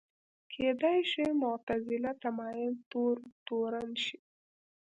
کېدای شو معتزله تمایل تور تورن شي